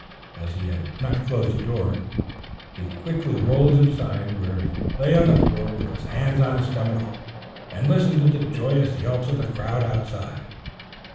As he had not closed the door, he quickly rolled inside, where he lay on the floor with his hands on his stomach and listened to the joyous yelps of the crowd outside.